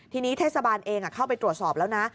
ทีนี้เทศบาลเองเข้าไปตรวจสอบแล้วนะ